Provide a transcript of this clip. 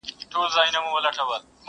o په غرمو کې وگټه، په سايو کې وخوره٫